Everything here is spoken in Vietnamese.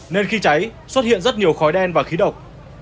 nên khi cháy xuất hiện rất nhiều khói đen và khí độc